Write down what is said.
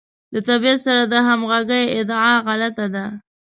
له طبیعت سره د همغږۍ ادعا غلطه ده.